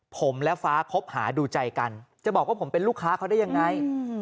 ผมและฟ้าคบหาดูใจกันจะบอกว่าผมเป็นลูกค้าเขาได้ยังไง